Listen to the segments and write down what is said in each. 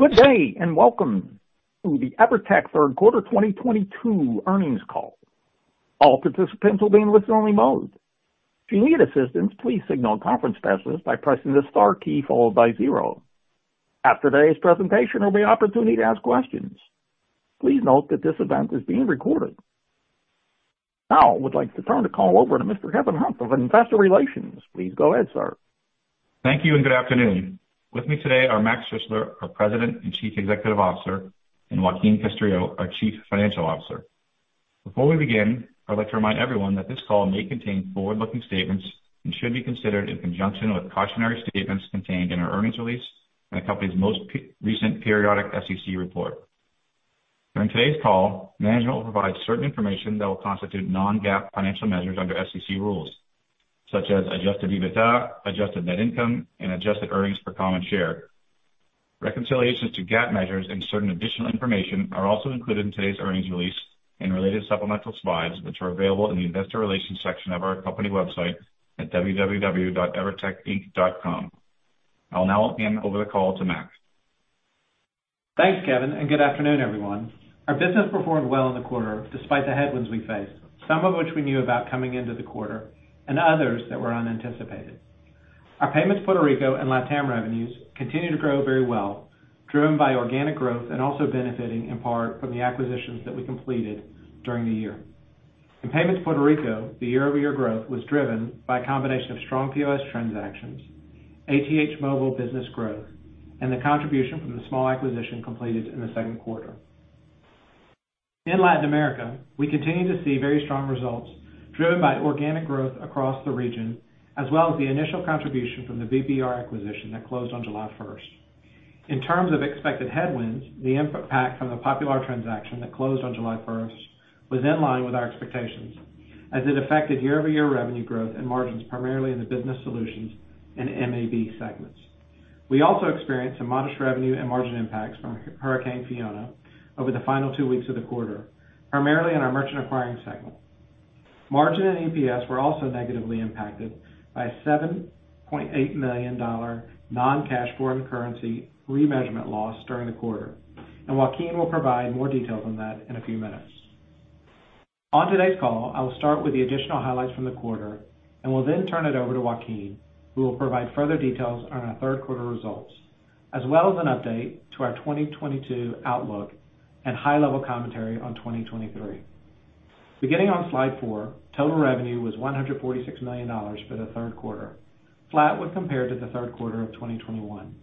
Good day, and welcome to the Evertec Third Quarter 2022 Earnings Call. All participants will be in listen-only mode. If you need assistance, please signal a conference specialist by pressing the star key followed by zero. After today's presentation, there'll be opportunity to ask questions. Please note that this event is being recorded. Now I would like to turn the call over to Mr. Kevin Hunt of Investor Relations. Please go ahead, sir. Thank you and good afternoon. With me today are Mac Schuessler, our President and Chief Executive Officer, and Joaquin Castrillo, our Chief Financial Officer. Before we begin, I'd like to remind everyone that this call may contain forward-looking statements and should be considered in conjunction with cautionary statements contained in our earnings release and the company's most recent periodic SEC report. During today's call, management will provide certain information that will constitute non-GAAP financial measures under SEC rules, such as adjusted EBITDA, adjusted net income, and adjusted earnings per common share. Reconciliations to GAAP measures and certain additional information are also included in today's earnings release and related supplemental slides, which are available in the Investor Relations section of our company website at www.evertecinc.com. I'll now hand over the call to Mac. Thanks, Kevin, and good afternoon, everyone. Our business performed well in the quarter despite the headwinds we faced, some of which we knew about coming into the quarter and others that were unanticipated. Our Payments Puerto Rico and LatAm revenues continue to grow very well, driven by organic growth and also benefiting in part from the acquisitions that we completed during the year. In Payments Puerto Rico, the year-over-year growth was driven by a combination of strong POS transactions, ATH Móvil business growth, and the contribution from the small acquisition completed in the second quarter. In Latin America, we continue to see very strong results driven by organic growth across the region, as well as the initial contribution from the BBR acquisition that closed on July 1st. In terms of expected headwinds, the impact from the Popular transaction that closed on July 1st was in line with our expectations as it affected year-over-year revenue growth and margins primarily in the Business Solutions and MAB segments. We also experienced some modest revenue and margin impacts from Hurricane Fiona over the final two weeks of the quarter, primarily in our Merchant Acquiring segment. Margin and EPS were also negatively impacted by a $7.8 million non-cash foreign currency remeasurement loss during the quarter. Joaquin will provide more details on that in a few minutes. On today's call, I will start with the additional highlights from the quarter and will then turn it over to Joaquin, who will provide further details on our third quarter results, as well as an update to our 2022 outlook and high-level commentary on 2023. Beginning on Slide Four, total revenue was $146 million for the third quarter, flat when compared to the third quarter of 2021.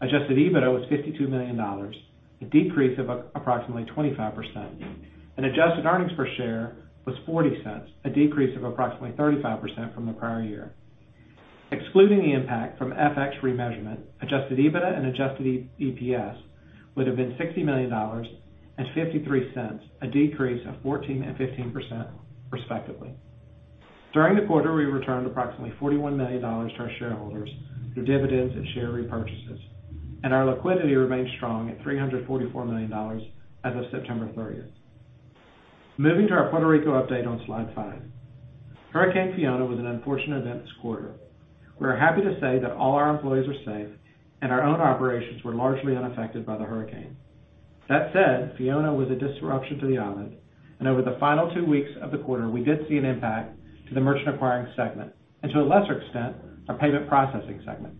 Adjusted EBITDA was $52 million, a decrease of approximately 25%. Adjusted earnings per share was $0.40, a decrease of approximately 35% from the prior year. Excluding the impact from FX remeasurement, adjusted EBITDA and adjusted EPS would have been $60 million and $0.53, a decrease of 14% and 15% respectively. During the quarter, we returned approximately $41 million to our shareholders through dividends and share repurchases, and our liquidity remains strong at $344 million as of September 30th. Moving to our Puerto Rico update on Slide Five. Hurricane Fiona was an unfortunate event this quarter. We are happy to say that all our employees are safe and our own operations were largely unaffected by the hurricane. That said, Fiona was a disruption to the island, and over the final two weeks of the quarter, we did see an impact to the Merchant Acquiring segment and, to a lesser extent, our payment processing segment.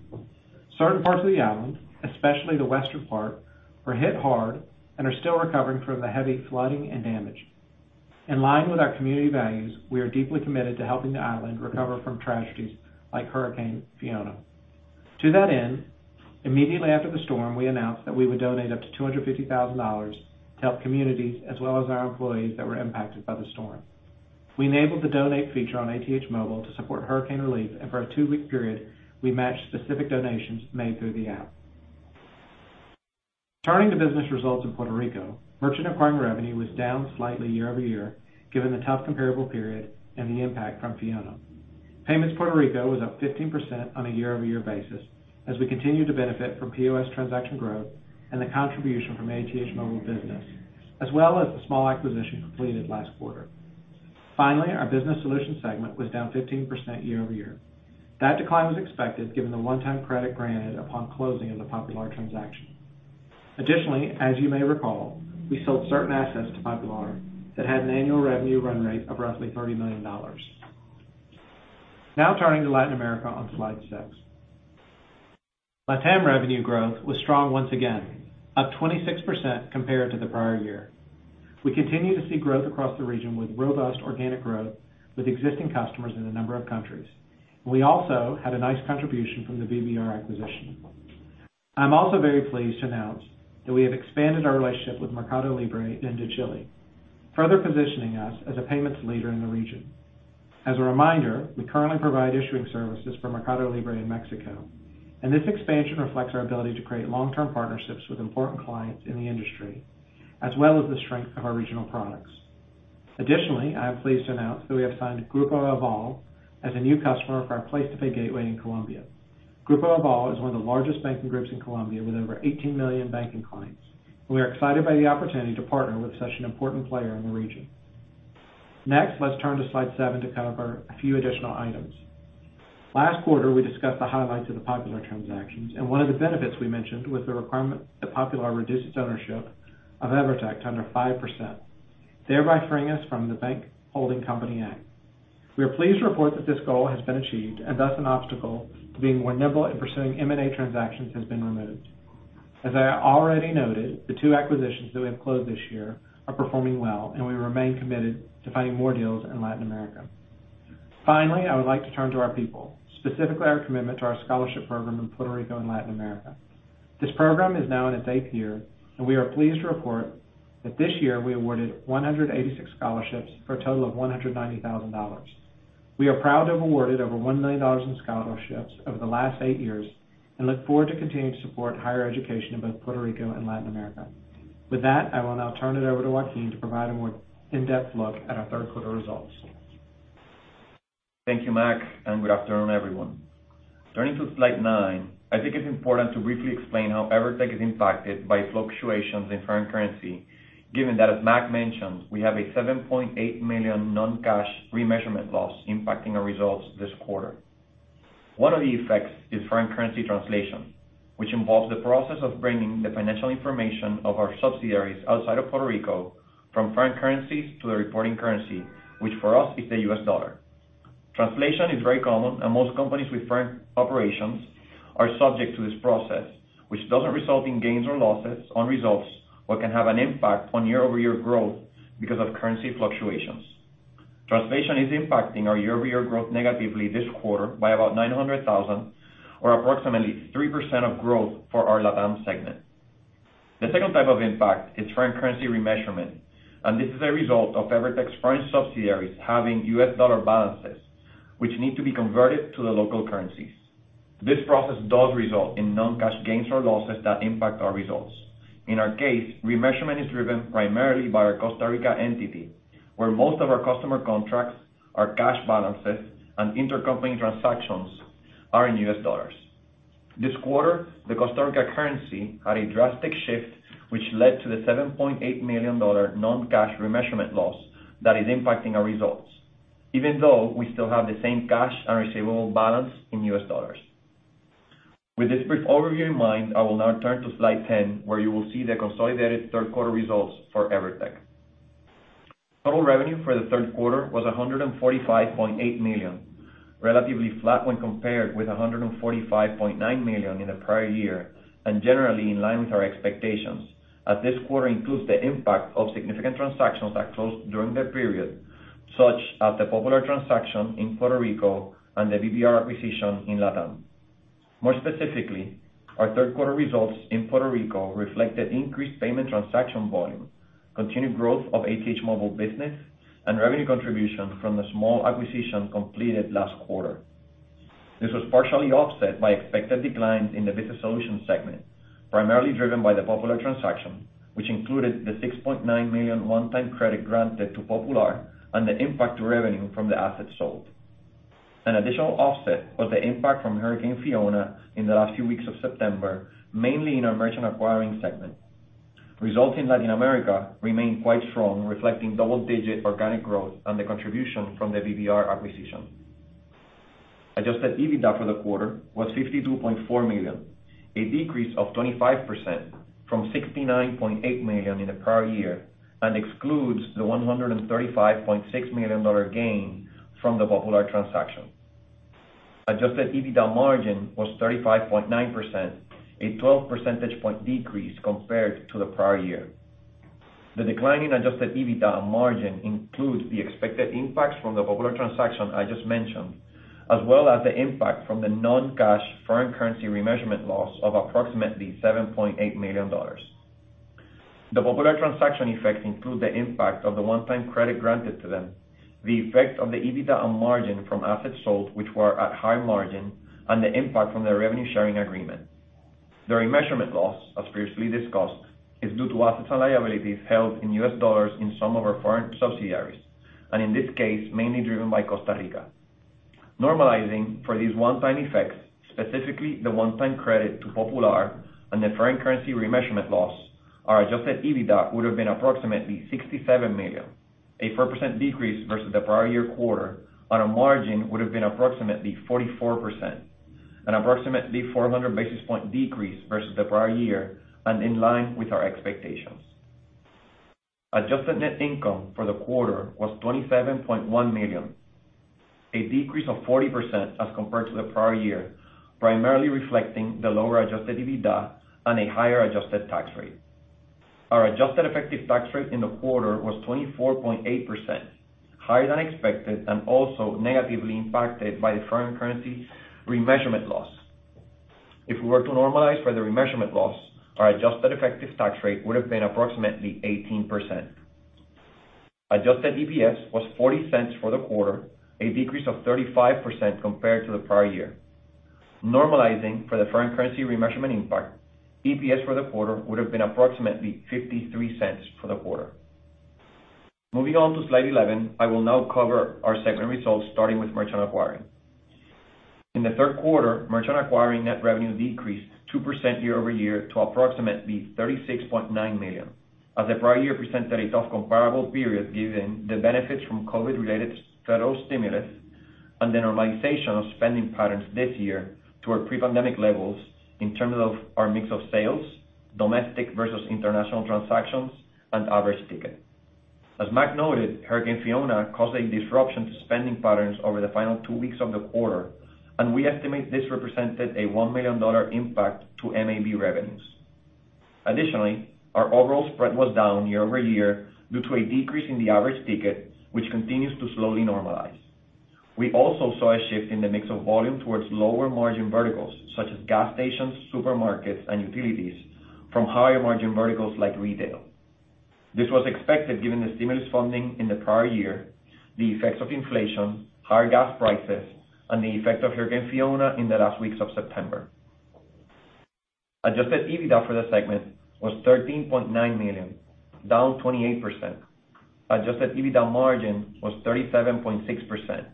Certain parts of the island, especially the western part, were hit hard and are still recovering from the heavy flooding and damage. In line with our community values, we are deeply committed to helping the island recover from tragedies like Hurricane Fiona. To that end, immediately after the storm, we announced that we would donate up to $250,000 to help communities as well as our employees that were impacted by the storm. We enabled the donate feature on ATH Móvil to support hurricane relief, and for a two-week period, we matched specific donations made through the app. Turning to business results in Puerto Rico. Merchant Acquiring revenue was down slightly year-over-year, given the tough comparable period and the impact from Fiona. Payments Puerto Rico was up 15% on a year-over-year basis as we continue to benefit from POS transaction growth and the contribution from ATH Móvil business, as well as the small acquisition completed last quarter. Finally, our Business Solutions segment was down 15% year-over-year. That decline was expected given the one-time credit granted upon closing of the Popular transaction. Additionally, as you may recall, we sold certain assets to Popular that had an annual revenue run rate of roughly $30 million. Now turning to Latin America on Slide Six. LatAm revenue growth was strong once again, up 26% compared to the prior year. We continue to see growth across the region with robust organic growth with existing customers in a number of countries. We also had a nice contribution from the BBR acquisition. I'm also very pleased to announce that we have expanded our relationship with Mercado Libre into Chile, further positioning us as a payments leader in the region. As a reminder, we currently provide issuing services for Mercado Libre in Mexico, and this expansion reflects our ability to create long-term partnerships with important clients in the industry, as well as the strength of our regional products. Additionally, I am pleased to announce that we have signed Grupo Aval as a new customer for our PlacetoPay gateway in Colombia. Grupo Aval is one of the largest banking groups in Colombia with over 18 million banking clients. We are excited by the opportunity to partner with such an important player in the region. Next, let's turn to Slide Seven to cover a few additional items. Last quarter, we discussed the highlights of the Popular transactions, and one of the benefits we mentioned was the requirement that Popular reduce its ownership of Evertec to under 5%, thereby freeing us from the Bank Holding Company Act. We are pleased to report that this goal has been achieved, and thus an obstacle to being more nimble in pursuing M&A transactions has been removed. As I already noted, the two acquisitions that we have closed this year are performing well, and we remain committed to finding more deals in Latin America. Finally, I would like to turn to our people, specifically our commitment to our scholarship program in Puerto Rico and Latin America. This program is now in its eighth year, and we are pleased to report that this year we awarded 186 scholarships for a total of $190,000. We are proud to have awarded over $1 million in scholarships over the last eight years and look forward to continuing to support higher education in both Puerto Rico and Latin America. With that, I will now turn it over to Joaquin to provide a more in-depth look at our third quarter results. Thank you, Mac, and good afternoon, everyone. Turning to Slide Nine, I think it's important to briefly explain how Evertec is impacted by fluctuations in foreign currency, given that, as Mac mentioned, we have a $7.8 million non-cash remeasurement loss impacting our results this quarter. One of the effects is foreign currency translation, which involves the process of bringing the financial information of our subsidiaries outside of Puerto Rico from foreign currencies to the reporting currency, which for us is the U.S. dollar. Translation is very common, and most companies with foreign operations are subject to this process, which doesn't result in gains or losses on results or can have an impact on year-over-year growth because of currency fluctuations. Translation is impacting our year-over-year growth negatively this quarter by about $900,000 or approximately 3% of growth for our LatAm segment. The second type of impact is foreign currency remeasurement, and this is a result of Evertec's foreign subsidiaries having U.S. dollar balances which need to be converted to the local currencies. This process does result in non-cash gains or losses that impact our results. In our case, remeasurement is driven primarily by our Costa Rica entity, where most of our customer contracts are cash balances and intercompany transactions are in U.S. dollars. This quarter, the Costa Rica currency had a drastic shift, which led to the $7.8 million non-cash remeasurement loss that is impacting our results, even though we still have the same cash and receivable balance in U.S. dollars. With this brief overview in mind, I will now turn to Slide 10, where you will see the consolidated third quarter results for Evertec. Total revenue for the third quarter was $145.8 million, relatively flat when compared with $145.9 million in the prior year, and generally in line with our expectations, as this quarter includes the impact of significant transactions that closed during the period, such as the Popular transaction in Puerto Rico and the BBR acquisition in LatAm. More specifically, our third quarter results in Puerto Rico reflect the increased payment transaction volume, continued growth of ATH Móvil business, and revenue contribution from the small acquisition completed last quarter. This was partially offset by expected declines in the Business Solutions segment, primarily driven by the Popular transaction, which included the $6.9 million one-time credit granted to Popular and the impact to revenue from the assets sold. An additional offset was the impact from Hurricane Fiona in the last few weeks of September, mainly in our Merchant Acquiring segment. Results in Latin America remained quite strong, reflecting double-digit organic growth and the contribution from the BBR acquisition. Adjusted EBITDA for the quarter was $52.4 million, a decrease of 25% from $69.8 million in the prior year, and excludes the $135.6 million gain from the Popular transaction. Adjusted EBITDA margin was 35.9%, a 12 percentage points decrease compared to the prior year. The decline in adjusted EBITDA margin includes the expected impacts from the Popular transaction I just mentioned, as well as the impact from the non-cash foreign currency remeasurement loss of approximately $7.8 million. The Popular transaction effects include the impact of the one-time credit granted to them, the effect of the EBITDA margin from assets sold which were at high margin, and the impact from the revenue sharing agreement. The remeasurement loss, as previously discussed, is due to assets and liabilities held in U.S. dollars in some of our foreign subsidiaries, and in this case, mainly driven by Costa Rica. Normalizing for these one-time effects, specifically the one-time credit to Popular and the foreign currency remeasurement loss, our adjusted EBITDA would have been approximately $67 million, a 4% decrease versus the prior year quarter, and our margin would have been approximately 44%, an approximately 400 basis point decrease versus the prior year and in line with our expectations. Adjusted net income for the quarter was $27.1 million, a decrease of 40% as compared to the prior year, primarily reflecting the lower adjusted EBITDA and a higher adjusted tax rate. Our adjusted effective tax rate in the quarter was 24.8%, higher than expected and also negatively impacted by the foreign currency remeasurement loss. If we were to normalize for the remeasurement loss, our adjusted effective tax rate would have been approximately 18%. Adjusted EPS was $0.40 for the quarter, a decrease of 35% compared to the prior year. Normalizing for the foreign currency remeasurement impact, EPS for the quarter would have been approximately $0.53 for the quarter. Moving on to Slide 11, I will now cover our segment results, starting with Merchant Acquiring. In the third quarter, merchant acquiring net revenue decreased 2% year-over-year to approximately $36.9 million, as the prior year presented a tough comparable period given the benefits from COVID-related federal stimulus and the normalization of spending patterns this year to our pre-pandemic levels in terms of our mix of sales, domestic versus international transactions, and average ticket. As Mac noted, Hurricane Fiona caused a disruption to spending patterns over the final two weeks of the quarter, and we estimate this represented a $1 million impact to MAB revenues. Additionally, our overall spread was down year-over-year due to a decrease in the average ticket, which continues to slowly normalize. We also saw a shift in the mix of volume towards lower margin verticals such as gas stations, supermarkets, and utilities from higher margin verticals like retail. This was expected given the stimulus funding in the prior year, the effects of inflation, higher gas prices, and the effect of Hurricane Fiona in the last weeks of September. Adjusted EBITDA for the segment was $13.9 million, down 28%. Adjusted EBITDA margin was 37.6%,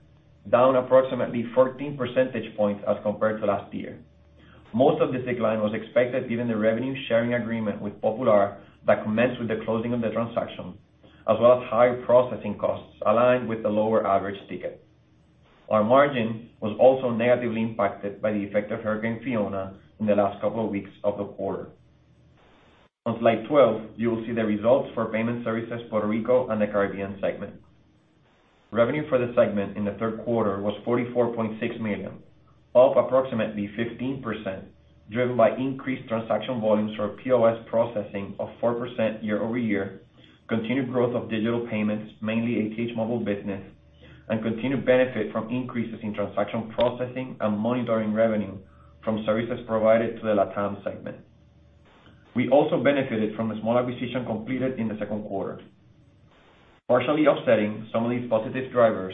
down approximately 14 percentage points as compared to last year. Most of this decline was expected given the revenue sharing agreement with Popular that commenced with the closing of the transaction, as well as higher processing costs aligned with the lower average ticket. Our margin was also negatively impacted by the effect of Hurricane Fiona in the last couple of weeks of the quarter. On Slide 12, you will see the results for Payment Services – Puerto Rico & Caribbean segment. Revenue for the segment in the third quarter was $44.6 million, up approximately 15%, driven by increased transaction volumes for our POS processing of 4% year-over-year, continued growth of digital payments, mainly ATH Móvil business, and continued benefit from increases in transaction processing and monitoring revenue from services provided to the LatAm segment. We also benefited from a small acquisition completed in the second quarter. Partially offsetting some of these positive drivers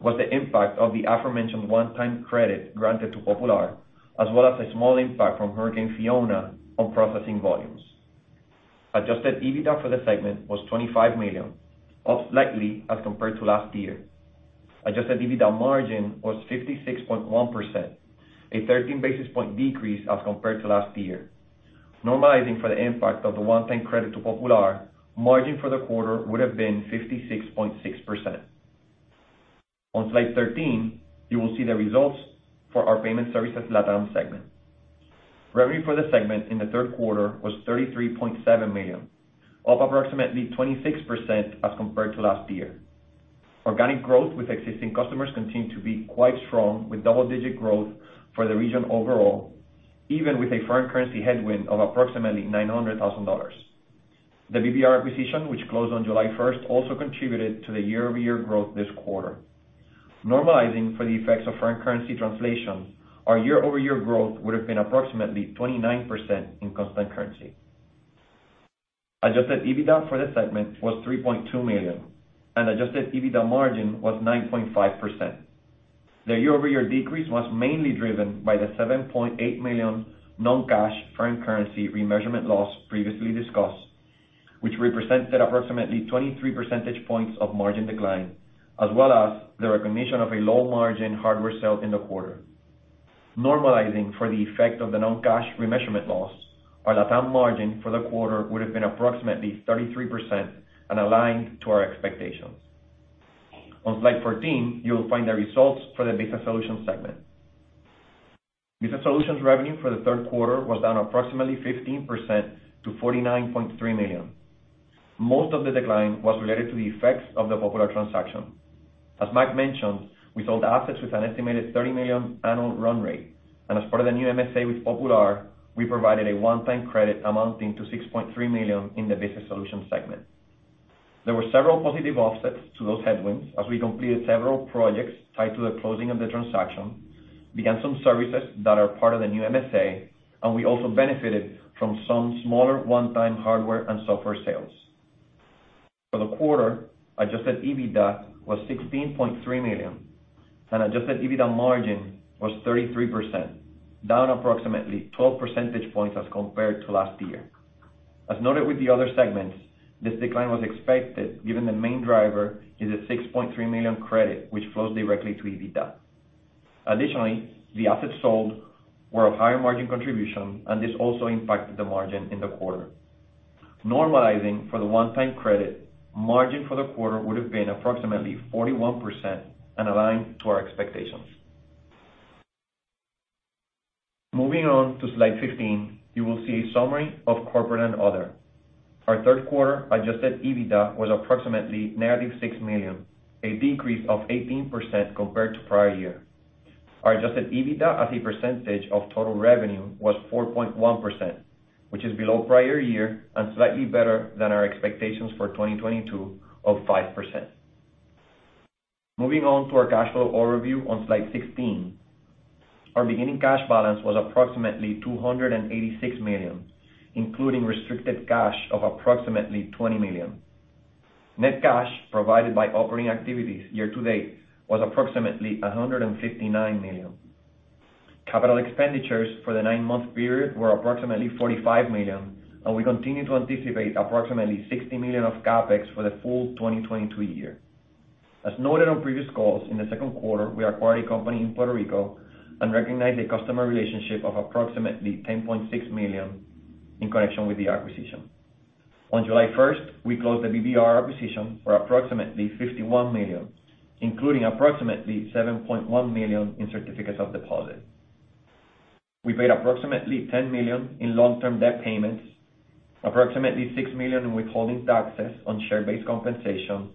was the impact of the aforementioned one-time credit granted to Popular, as well as a small impact from Hurricane Fiona on processing volumes. Adjusted EBITDA for the segment was $25 million, up slightly as compared to last year. Adjusted EBITDA margin was 56.1%, a 13 basis point decrease as compared to last year. Normalizing for the impact of the one-time credit to Popular, margin for the quarter would have been 56.6%. On Slide 13, you will see the results for our Payment Services LatAm segment. Revenue for the segment in the third quarter was $33.7 million, up approximately 26% as compared to last year. Organic growth with existing customers continued to be quite strong with double-digit growth for the region overall, even with a foreign currency headwind of approximately $900,000. The BBR acquisition, which closed on July 1st, also contributed to the year-over-year growth this quarter. Normalizing for the effects of foreign currency translation, our year-over-year growth would have been approximately 29% in constant currency. Adjusted EBITDA for the segment was $3.2 million, and adjusted EBITDA margin was 9.5%. The year-over-year decrease was mainly driven by the $7.8 million non-cash foreign currency remeasurement loss previously discussed, which represented approximately 23 percentage points of margin decline, as well as the recognition of a low margin hardware sale in the quarter. Normalizing for the effect of the non-cash remeasurement loss, our LatAm margin for the quarter would have been approximately 33% and aligned to our expectations. On Slide 14, you will find the results for the Business Solutions segment. Business Solutions revenue for the third quarter was down approximately 15% to $49.3 million. Most of the decline was related to the effects of the Popular transaction. As Mac mentioned, we sold assets with an estimated $30 million annual run rate. As part of the new MSA with Popular, we provided a one-time credit amounting to $6.3 million in the Business Solutions segment. There were several positive offsets to those headwinds as we completed several projects tied to the closing of the transaction, began some services that are part of the new MSA, and we also benefited from some smaller one-time hardware and software sales. For the quarter, adjusted EBITDA was $16.3 million, and adjusted EBITDA margin was 33%, down approximately 12 percentage points as compared to last year. As noted with the other segments, this decline was expected given the main driver is a $6.3 million credit which flows directly to EBITDA. Additionally, the assets sold were of higher margin contribution, and this also impacted the margin in the quarter. Normalizing for the one-time credit, margin for the quarter would have been approximately 41% and aligned to our expectations. Moving on to Slide 15, you will see a summary of corporate and other. Our third quarter adjusted EBITDA was approximately -$6 million, a decrease of 18% compared to prior year. Our adjusted EBITDA as a percentage of total revenue was 4.1%, which is below prior year and slightly better than our expectations for 2022 of 5%. Moving on to our cash flow overview on Slide 16. Our beginning cash balance was approximately $286 million, including restricted cash of approximately $20 million. Net cash provided by operating activities year to date was approximately $159 million. Capital expenditures for the nine-month period were approximately $45 million, and we continue to anticipate approximately $60 million of CapEx for the full 2022 year. As noted on previous calls, in the second quarter, we acquired a company in Puerto Rico and recognized a customer relationship of approximately $10.6 million in connection with the acquisition. On July 1st, we closed the BBR acquisition for approximately $51 million, including approximately $7.1 million in certificates of deposit. We paid approximately $10 million in long-term debt payments, approximately $6 million in withholding taxes on share-based compensation,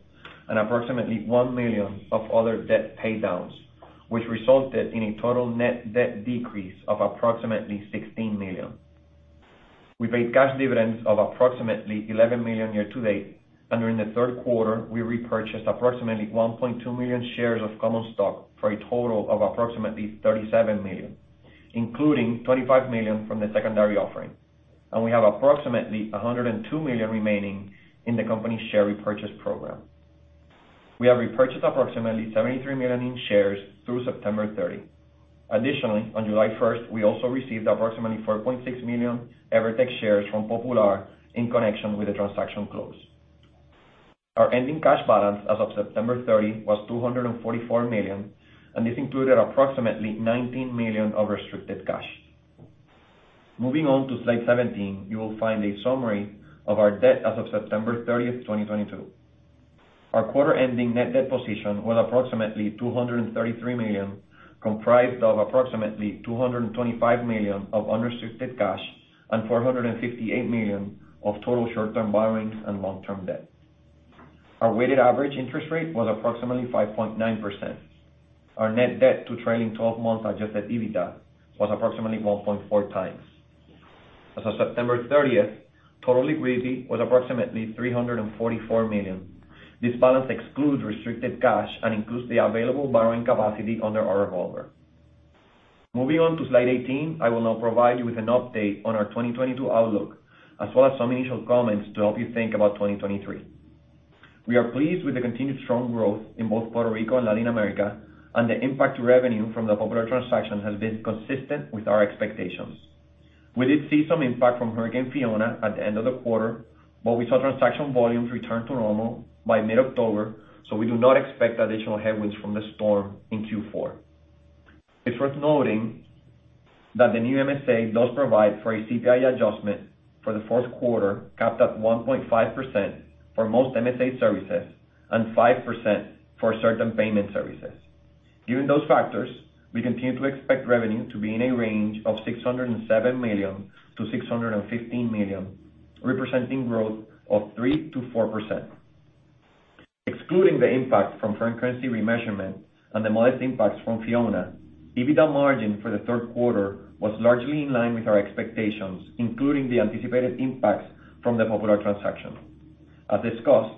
and approximately $1 million of other debt pay downs, which resulted in a total net debt decrease of approximately $16 million. We paid cash dividends of approximately $11 million year to date, and during the third quarter, we repurchased approximately 1.2 million shares of common stock for a total of approximately $37 million, including $25 million from the secondary offering. We have approximately $102 million remaining in the company's share repurchase program. We have repurchased approximately 73 million shares through September 30. Additionally, on July 1st, we also received approximately 4.6 million Evertec shares from Popular, inconnection with the transaction close. Our ending cash balance as of September 30 was $244 million, and this included approximately $19 million of restricted cash. Moving on to Slide 17, you will find a summary of our debt as of September 30, 2022. Our quarter ending net debt position was approximately $233 million, comprised of approximately $225 million of unrestricted cash and $458 million of total short-term borrowings and long-term debt. Our weighted average interest rate was approximately 5.9%. Our net debt to trailing 12 months adjusted EBITDA was approximately 1.4x. As of September 30th, total liquidity was approximately $344 million. This balance excludes restricted cash and includes the available borrowing capacity under our revolver. Moving on to Slide 18. I will now provide you with an update on our 2022 outlook, as well as some initial comments to help you think about 2023. We are pleased with the continued strong growth in both Puerto Rico and Latin America, and the impact to revenue from the Popular transaction has been consistent with our expectations. We did see some impact from Hurricane Fiona at the end of the quarter, but we saw transaction volumes return to normal by mid-October, so we do not expect additional headwinds from the storm in Q4. It's worth noting that the new MSA does provide for a CPI adjustment for the fourth quarter, capped at 1.5% for most MSA services and 5% for certain payment services. Given those factors, we continue to expect revenue to be in a range of $607 million-$615 million, representing growth of 3%-4%. Excluding the impact from foreign currency remeasurement and the modest impacts from Hurricane Fiona, EBITDA margin for the third quarter was largely in line with our expectations, including the anticipated impacts from the Popular transaction. As discussed,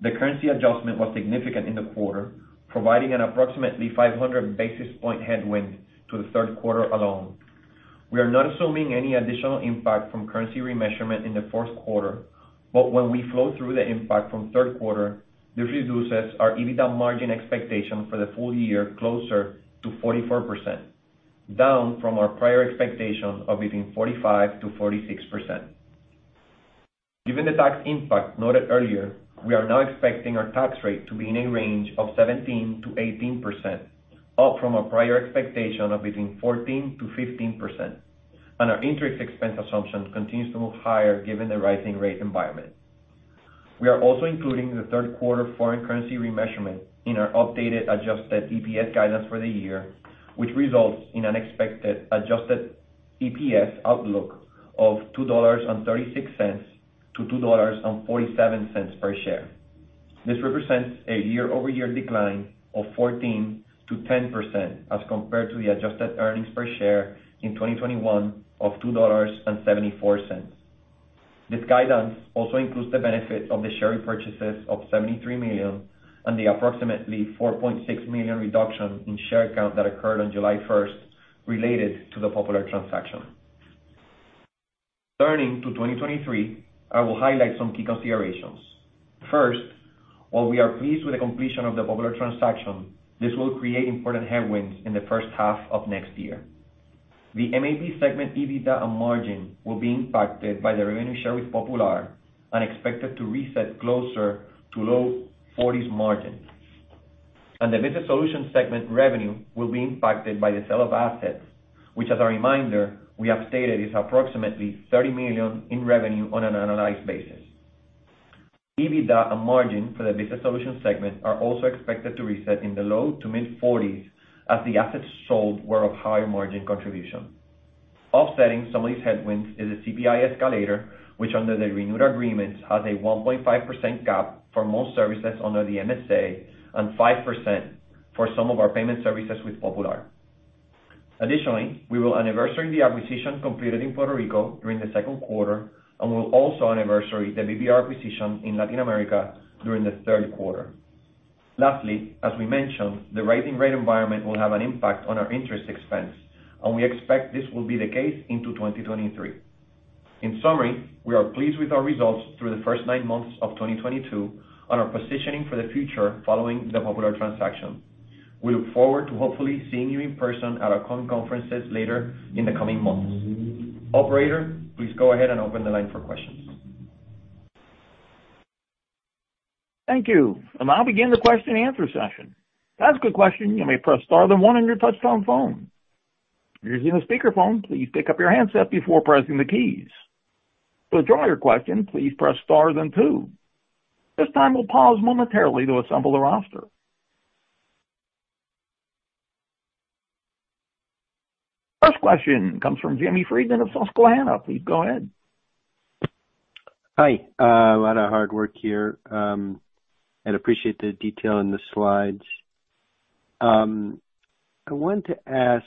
the currency adjustment was significant in the quarter, providing an approximately 500 basis points headwind to the third quarter alone. We are not assuming any additional impact from currency remeasurement in the fourth quarter, but when we flow through the impact from third quarter, this reduces our EBITDA margin expectation for the full year closer to 44%, down from our prior expectation of between 45%-46%. Given the tax impact noted earlier, we are now expecting our tax rate to be in a range of 17%-18%, up from a prior expectation of between 14%-15%, and our interest expense assumption continues to move higher given the rising rate environment. We are also including the third quarter foreign currency remeasurement in our updated adjusted EPS guidance for the year, which results in an expected adjusted EPS outlook of $2.36-$2.47 per share. This represents a year-over-year decline of 14%-10% as compared to the adjusted earnings per share in 2021 of $2.74. This guidance also includes the benefit of the share repurchases of $73 million and the approximately 4.6 million reduction in share count that occurred on July 1st related to the Popular transaction. Turning to 2023, I will highlight some key considerations. First, while we are pleased with the completion of the Popular transaction, this will create important headwinds in the first half of next year. The MAP segment EBITDA and margin will be impacted by the revenue share with Popular and expected to reset closer to low 40%s margin. The Business Solutions segment revenue will be impacted by the sale of assets which, as a reminder, we have stated is approximately $30 million in revenue on an annualized basis. EBITDA and margin for the Business Solutions segment are also expected to reset in the low-to-mid 40%s as the assets sold were of higher margin contribution. Offsetting some of these headwinds is a CPI escalator which, under the renewed agreements, has a 1.5% cap for most services under the MSA and 5% for some of our payment services with Popular. Additionally, we will anniversary the acquisition completed in Puerto Rico during the second quarter and will also anniversary the BBR acquisition in Latin America during the third quarter. Lastly, as we mentioned, the rising rate environment will have an impact on our interest expense, and we expect this will be the case into 2023. In summary, we are pleased with our results through the first nine months of 2022 on our positioning for the future following the Popular transaction. We look forward to hopefully seeing you in person at our coming conferences later in the coming months. Operator, please go ahead and open the line for questions. Thank you. I'll begin the question and answer session. To ask a question, you may press star then one on your touchtone phone. If you're using a speakerphone, please pick up your handset before pressing the keys. To withdraw your question, please press star then two. At this time, we'll pause momentarily to assemble the roster. First question comes from Jamie Friedman of Susquehanna. Please go ahead. Hi, a lot of hard work here. I appreciate the detail in the slides. I want to ask,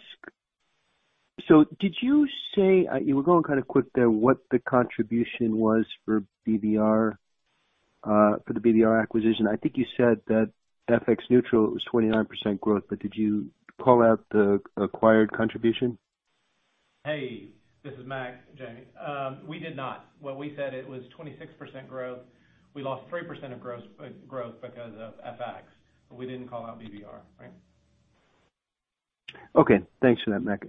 did you say you were going kind of quick there, what the contribution was for BBR, for the BBR acquisition? I think you said that FX neutral, it was 29% growth, but did you call out the acquired contribution? Hey, this is Mac, Jamie. We did not. What we said it was 26% growth. We lost 3% of gross growth because of FX, but we didn't call out BBR. Right. Okay. Thanks for that, Mac.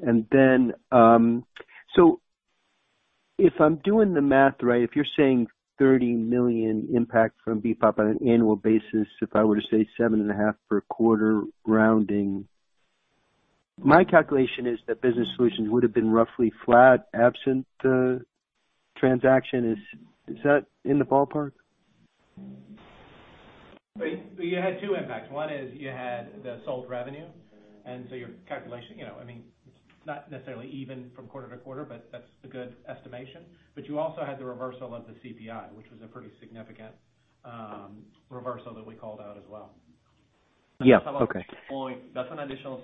If I'm doing the math right, if you're saying $30 million impact from BPOP on an annual basis, if I were to say $7.5 million per quarter rounding, my calculation is that Business Solutions would have been roughly flat absent the transaction. Is that in the ballpark? You had two impacts. One is you had the sold revenue, and so your calculation, you know, I mean, it's not necessarily even from quarter to quarter, but that's a good estimation. You also had the reversal of the CPI, which was a pretty significant reversal that we called out as well. Yeah. Okay. That's an additional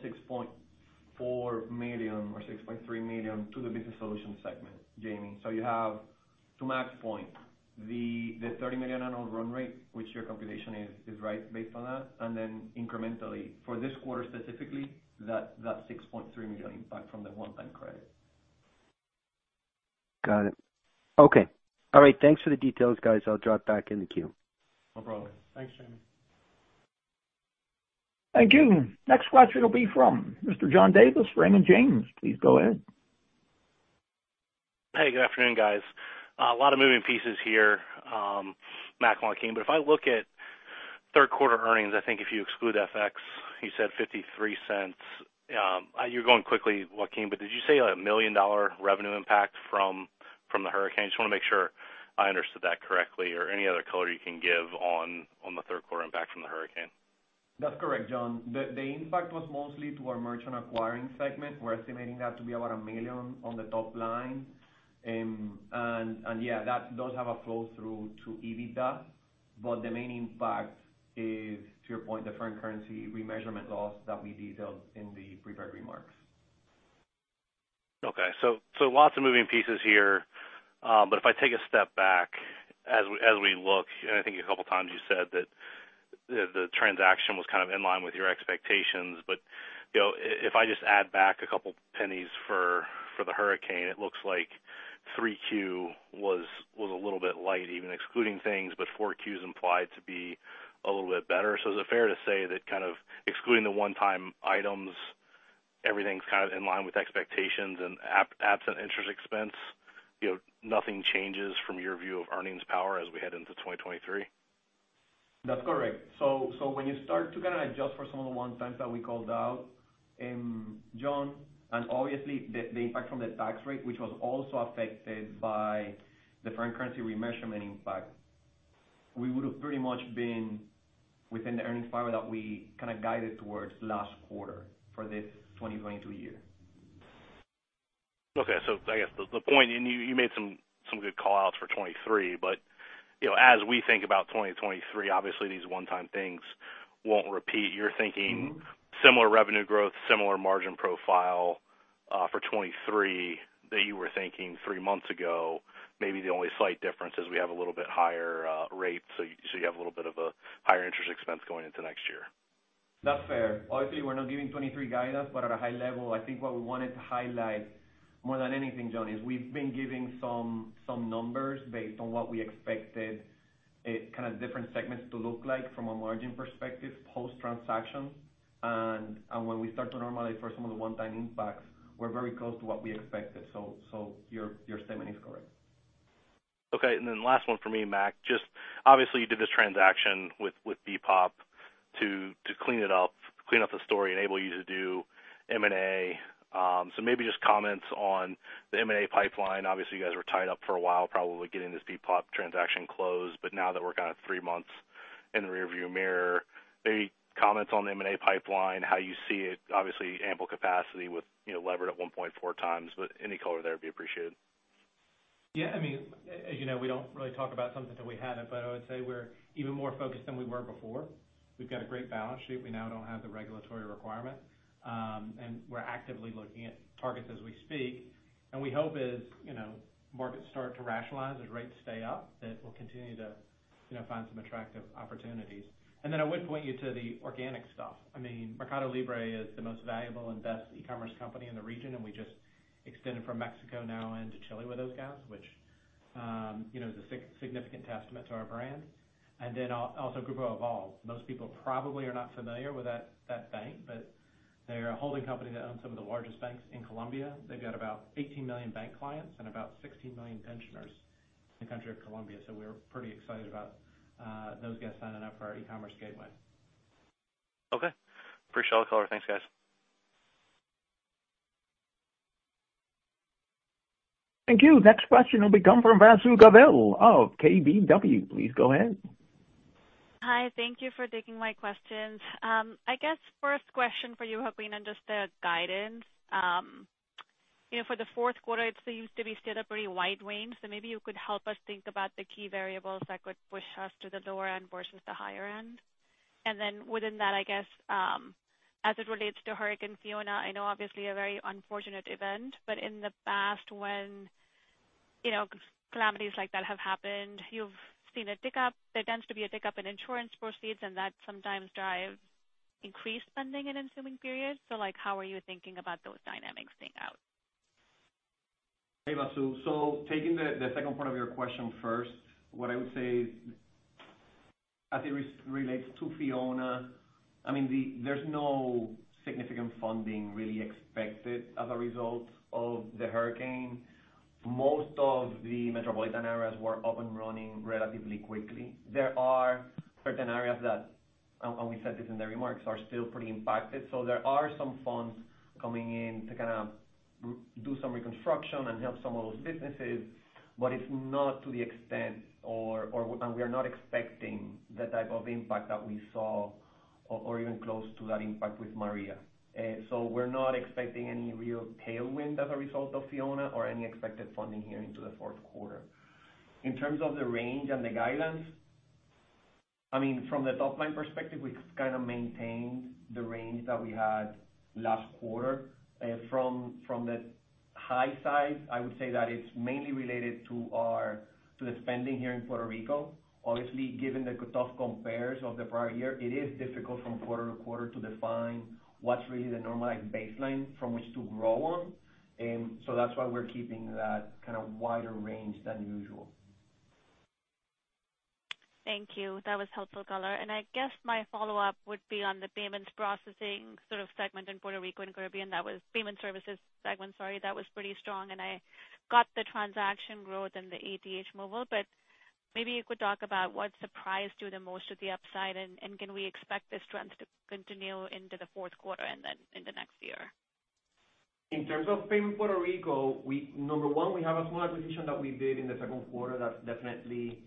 $6.4 million or $6.3 million to the Business Solutions segment, Jamie. So you have, to Mac's point, the $30 million annual run rate, which your computation is right based on that. Then incrementally for this quarter specifically, that $6.3 million impact from the one-time credit. Got it. Okay. All right. Thanks for the details, guys. I'll drop back in the queue. No problem. Thanks, Jamie. Thank you. Next question will be from Mr. John Davis, Raymond James. Please go ahead. Hey, good afternoon, guys. A lot of moving pieces here, Mac, Joaquin. If I look at third quarter earnings, I think if you exclude FX, you said $0.53. You're going quickly, Joaquin, but did you say a $1 million revenue impact from the hurricane? Just wanna make sure I understood that correctly or any other color you can give on the third quarter impact from the hurricane. That's correct, John. The impact was mostly to our Merchant Acquiring segment. We're estimating that to be about $1 million on the top line. And yeah, that does have a flow through to EBITDA. The main impact is, to your point, the foreign currency remeasurement loss that we detailed in the prepared remarks. Okay. Lots of moving pieces here. If I take a step back as we look, and I think a couple of times you said that the transaction was kind of in line with your expectations. You know, if I just add back a couple pennies for the hurricane, it looks like Q3 was a little bit light, even excluding things, but Q4 is implied to be a little bit better. Is it fair to say that kind of excluding the one-time items, everything's kind of in line with expectations and absent interest expense, you know, nothing changes from your view of earnings power as we head into 2023? That's correct. When you start to kinda adjust for some of the one times that we called out, John, and obviously the impact from the tax rate, which was also affected by the foreign currency remeasurement impact, we would have pretty much been within the earnings power that we kinda guided towards last quarter for this 2022 year. Okay. I guess the point, and you made some good call-outs for 2023, but, you know, as we think about 2023, obviously these one-time things won't repeat. You're thinking similar revenue growth, similar margin profile, for 2023 that you were thinking three months ago. Maybe the only slight difference is we have a little bit higher rate, so you have a little bit of a higher interest expense going into next year. That's fair. Obviously, we're not giving 2023 guidance, but at a high level, I think what we wanted to highlight more than anything, John, is we've been giving some numbers based on what we expected it, kind of different segments to look like from a margin perspective post-transaction. When we start to normalize for some of the one-time impacts, we're very close to what we expected. Your statement is correct. Okay. Last one for me, Mac. Just obviously, you did this transaction with BPOP to clean up the story, enable you to do M&A. So maybe just comments on the M&A pipeline. Obviously, you guys were tied up for a while, probably getting this BPOP transaction closed. Now that we're kinda three months in the rear view mirror, any comments on the M&A pipeline, how you see it, obviously ample capacity with, you know, levered at 1.4x, but any color there would be appreciated. Yeah, I mean, as you know, we don't really talk about something till we had it, but I would say we're even more focused than we were before. We've got a great balance sheet. We now don't have the regulatory requirement. We're actively looking at targets as we speak. We hope as, you know, markets start to rationalize, as rates stay up, that we'll continue to, you know, find some attractive opportunities. I would point you to the organic stuff. I mean, Mercado Libre is the most valuable and best e-commerce company in the region, and we just extended from Mexico now into Chile with those guys, which, you know, is a significant testament to our brand. Also Grupo Aval. Most people probably are not familiar with that bank, but they're a holding company that owns some of the largest banks in Colombia. They've got about 18 million bank clients and about 16 million pensioners in the country of Colombia, so we're pretty excited about those guys signing up for our e-commerce gateway. Okay. Appreciate the color. Thanks, guys. Thank you. The next question will be coming from Vasu Govil of KBW. Please go ahead. Hi. Thank you for taking my questions. I guess first question for you, Joaquin, on just the guidance. You know, for the fourth quarter it seems to be still a pretty wide range, so maybe you could help us think about the key variables that could push us to the lower end versus the higher end. Within that, I guess, as it relates to Hurricane Fiona, I know obviously a very unfortunate event, but in the past when, you know, calamities like that have happened, you've seen a tick-up. There tends to be a tick-up in insurance proceeds, and that sometimes drives increased spending in ensuing periods. Like, how are you thinking about those dynamics playing out? Hey, Vasu. Taking the second part of your question first, what I would say is as it relates to Fiona, there's no significant funding really expected as a result of the hurricane. Most of the metropolitan areas were up and running relatively quickly. There are certain areas that and we said this in the remarks, are still pretty impacted. There are some funds coming in to kind of do some reconstruction and help some of those businesses, but it's not to the extent and we are not expecting the type of impact that we saw or even close to that impact with Maria. We're not expecting any real tailwind as a result of Fiona or any expected funding here into the fourth quarter. In terms of the range and the guidance, I mean, from the top line perspective, we kind of maintained the range that we had last quarter. From the high side, I would say that it's mainly related to the spending here in Puerto Rico. Obviously, given the tough compares of the prior year, it is difficult from quarter to quarter to define what's really the normalized baseline from which to grow on. So that's why we're keeping that kind of wider range than usual. Thank you. That was helpful color. I guess my follow-up would be on the payments processing sort of segment in Puerto Rico & Caribbean. That was Payment Services segment, sorry, that was pretty strong, and I got the transaction growth in the ATH Móvil, but maybe you could talk about what surprised you the most at the upside, and can we expect this trend to continue into the fourth quarter and then in the next year? In terms of payments in Puerto Rico, number one, we have a small acquisition that we did in the second quarter that's definitely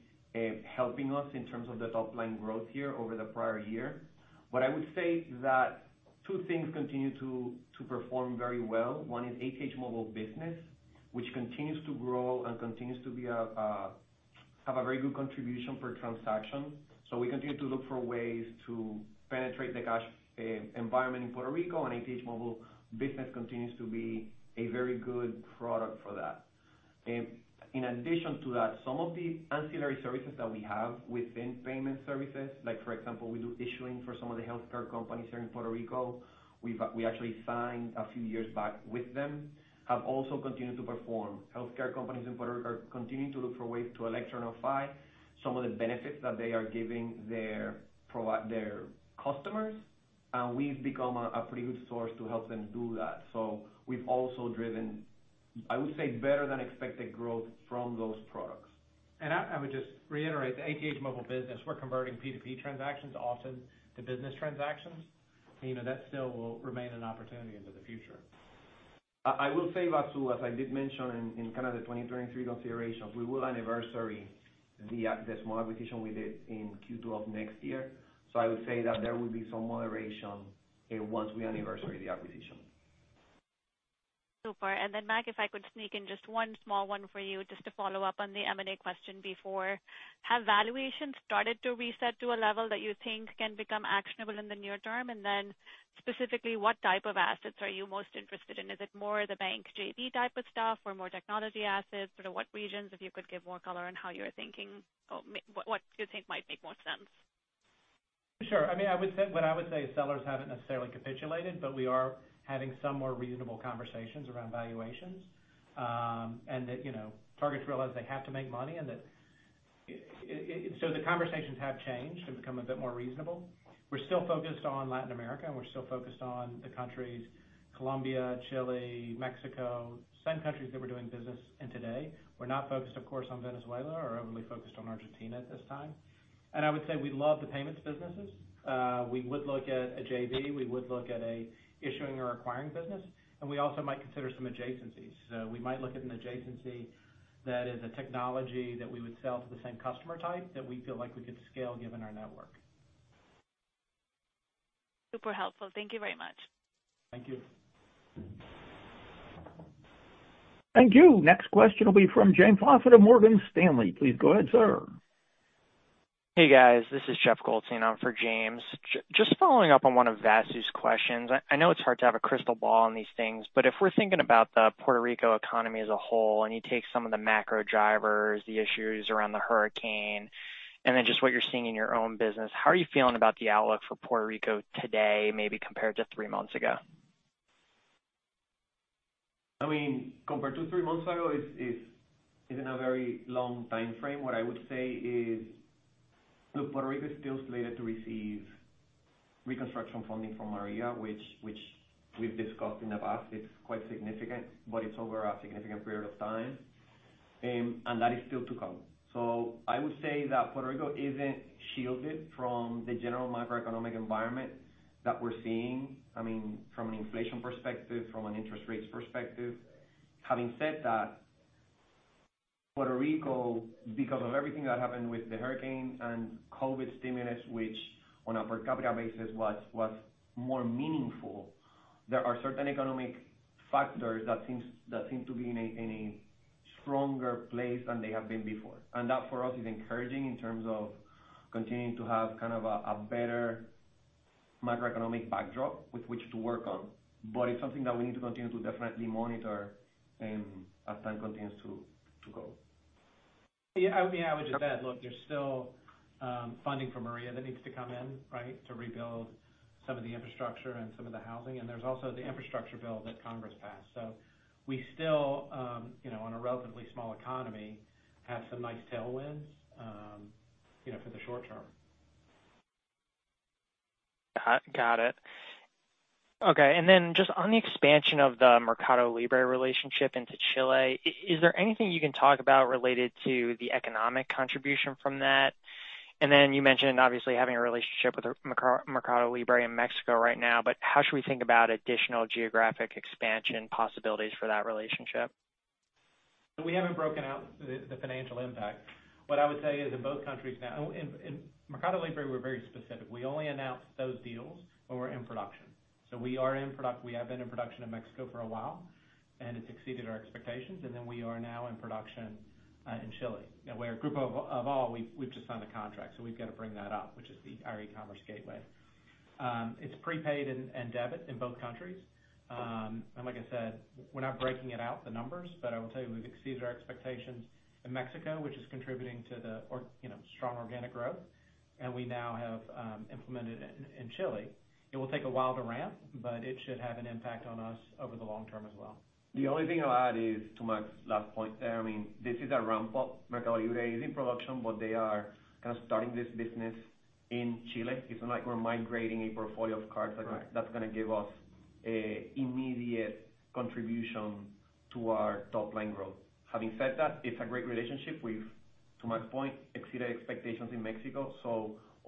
helping us in terms of the top line growth here over the prior year. What I would say is that two things continue to perform very well. One is ATH Móvil business, which continues to grow and continues to have a very good contribution per transaction. We continue to look for ways to penetrate the cash environment in Puerto Rico, and ATH Móvil business continues to be a very good product for that. In addition to that, some of the ancillary services that we have within Payment Services, like for example, we do issuing for some of the healthcare companies here in Puerto Rico, we actually signed a few years back with them, have also continued to perform. Healthcare companies in Puerto Rico are continuing to look for ways to electronify some of the benefits that they are giving their customers, and we've become a pretty good source to help them do that. We've also driven, I would say, better than expected growth from those products. I would just reiterate, the ATH Móvil business, we're converting P2P transactions often to business transactions. You know, that still will remain an opportunity into the future. I will say, Vasu, as I did mention in kind of the 2023 considerations, we will anniversary the small acquisition we did in Q2 next year. I would say that there will be some moderation once we anniversary the acquisition. Super. Mac, if I could sneak in just one small one for you, just to follow up on the M&A question before. Have valuations started to reset to a level that you think can become actionable in the near term? Specifically, what type of assets are you most interested in? Is it more the bank JV type of stuff or more technology assets? Sort of what regions, if you could give more color on how you're thinking or what you think might make more sense. Sure. I mean, sellers haven't necessarily capitulated, but we are having some more reasonable conversations around valuations. You know, targets realize they have to make money. The conversations have changed and become a bit more reasonable. We're still focused on Latin America, and we're still focused on the countries Colombia, Chile, Mexico, same countries that we're doing business in today. We're not focused, of course, on Venezuela or overly focused on Argentina at this time. I would say we love the payments businesses. We would look at a JV, we would look at an issuing or acquiring business, and we also might consider some adjacencies. We might look at an adjacency that is a technology that we would sell to the same customer type that we feel like we could scale given our network. Super helpful. Thank you very much. Thank you. Thank you. Next question will be from James Faucette of Morgan Stanley. Please go ahead, sir. Hey, guys. This is Jeff Goldstein in for James. Just following up on one of Vasu's questions. I know it's hard to have a crystal ball on these things, but if we're thinking about the Puerto Rico economy as a whole, and you take some of the macro drivers, the issues around the hurricane, and then just what you're seeing in your own business, how are you feeling about the outlook for Puerto Rico today, maybe compared to three months ago? I mean, compared to three months ago is in a very long time frame. What I would say is, look, Puerto Rico is still slated to receive reconstruction funding from Hurricane Maria, which we've discussed in the past. It's quite significant, but it's over a significant period of time. That is still to come. I would say that Puerto Rico isn't shielded from the general macroeconomic environment that we're seeing. I mean, from an inflation perspective, from an interest rates perspective. Having said that, Puerto Rico, because of everything that happened with the hurricane and COVID stimulus, which on a per capita basis was more meaningful, there are certain economic factors that seem to be in a stronger place than they have been before. That for us is encouraging in terms of continuing to have kind of a better macroeconomic backdrop with which to work on. It's something that we need to continue to definitely monitor, as time continues to go. Yeah. I would just add, look, there's still funding for Maria that needs to come in, right, to rebuild some of the infrastructure and some of the housing. There's also the infrastructure bill that Congress passed. We still, you know, on a relatively small economy, have some nice tailwinds, you know, for the short term. Got it. Okay. Then just on the expansion of the Mercado Libre relationship into Chile, is there anything you can talk about related to the economic contribution from that? Then you mentioned obviously having a relationship with Mercado Libre in Mexico right now, but how should we think about additional geographic expansion possibilities for that relationship? We haven't broken out the financial impact. What I would say is in both countries now. In Mercado Libre, we're very specific. We only announce those deals when we're in production. We have been in production in Mexico for a while, and it's exceeded our expectations. We are now in production in Chile, where Grupo Aval, we've just signed a contract, so we've got to bring that up, which is our e-commerce gateway. It's prepaid and debit in both countries. Like I said, we're not breaking out the numbers. I will tell you, we've exceeded our expectations in Mexico, which is contributing to our, you know, strong organic growth. We now have implemented it in Chile. It will take a while to ramp, but it should have an impact on us over the long term as well. The only thing I'll add is to Mac's last point there, I mean, this is a ramp-up. Mercado Libre is in production, but they are kind of starting this business in Chile. It's not like we're migrating a portfolio of cards. Right. That's gonna give us a immediate contribution to our top line growth. Having said that, it's a great relationship. We've, to Mac's point, exceeded expectations in Mexico.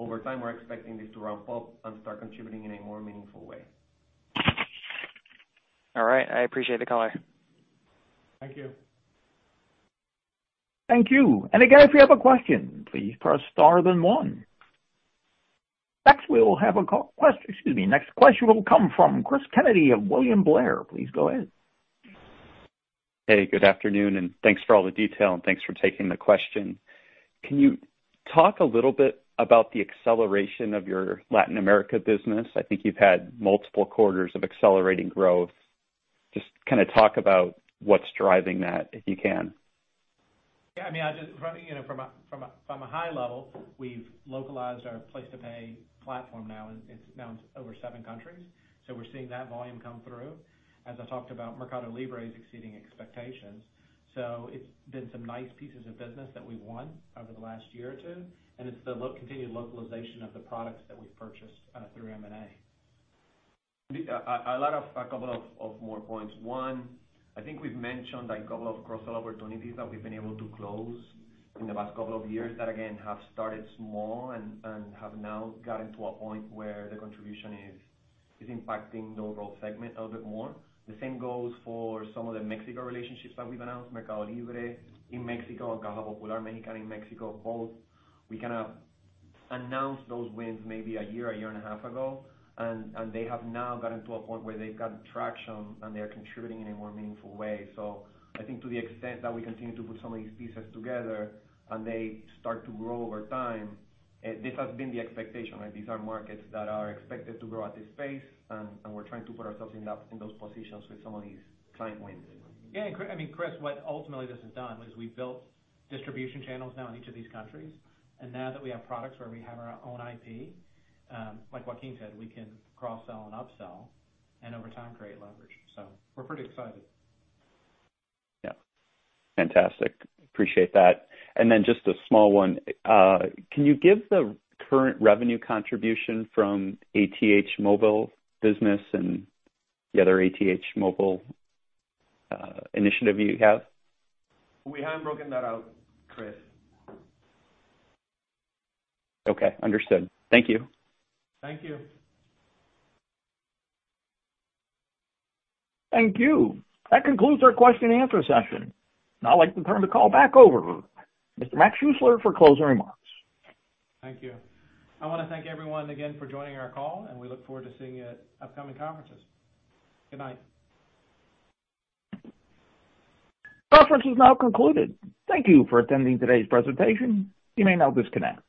Over time, we're expecting this to ramp up and start contributing in a more meaningful way. All right. I appreciate the color. Thank you. Thank you. Again, if you have a question, please press star then one. Next question will come from Cris Kennedy of William Blair. Please go ahead. Hey, good afternoon, and thanks for all the detail, and thanks for taking the question. Can you talk a little bit about the acceleration of your Latin America business? I think you've had multiple quarters of accelerating growth. Just kinda talk about what's driving that, if you can. Yeah. I mean, you know, from a high level, we've localized our PlacetoPay platform now. It's now in over seven countries, so we're seeing that volume come through. As I talked about, Mercado Libre is exceeding expectations. It's been some nice pieces of business that we've won over the last year or two, and it's the continued localization of the products that we've purchased through M&A. A couple of more points. One, I think we've mentioned a couple of cross-sell opportunities that we've been able to close in the past couple of years that again have started small and have now gotten to a point where the contribution is impacting the overall segment a little bit more. The same goes for some of the Mexico relationships that we've announced, Mercado Libre in Mexico and Caja Popular Mexicana in Mexico, both. We kinda announced those wins maybe a year and a half ago, and they have now gotten to a point where they've got traction and they are contributing in a more meaningful way. I think to the extent that we continue to put some of these pieces together and they start to grow over time, this has been the expectation, right? These are markets that are expected to grow at this pace and we're trying to put ourselves in that, in those positions with some of these client wins. Yeah. Cris, what ultimately this has done is we've built distribution channels now in each of these countries. Now that we have products where we have our own IP, like Joaquin said, we can cross-sell and upsell and over time create leverage. We're pretty excited. Yeah. Fantastic. Appreciate that. Then just a small one. Can you give the current revenue contribution from ATH Móvil business and the other ATH Móvil initiative you have? We haven't broken that out, Cris. Okay. Understood. Thank you. Thank you. Thank you. That concludes our question and answer session. Now I'd like to turn the call back over to Mr. Mac Schuessler for closing remarks. Thank you. I wanna thank everyone again for joining our call, and we look forward to seeing you at upcoming conferences. Good night. Conference is now concluded. Thank you for attending today's presentation. You may now disconnect.